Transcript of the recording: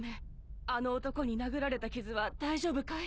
あの男に殴られた傷は大丈夫かい？